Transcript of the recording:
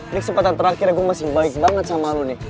ini kesempatan terakhir aku masih baik banget sama lo nih